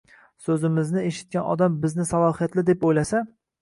so‘zimizni eshitgan odam bizni salohiyatli, deb o‘ylasa